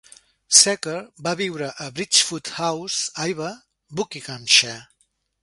Secker va viure en Bridgefoot House, Iver, Buckinghamshire.